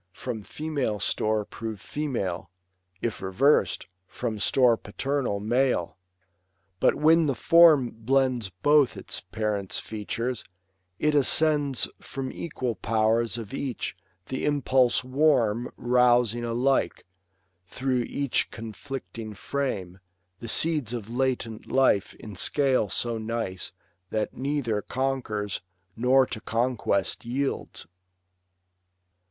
From female store prove female ; if revers'd. From store paternal, male. But when the form Blends both its parents' features, it ascends From equal powers of each ; the impulse warm Rousing alike, through each conflicting frame. The seeds of latent life in scale so nice That neither conquers, nor to conquest yields.